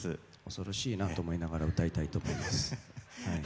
恐ろしいなと思いながら歌いたいと思います。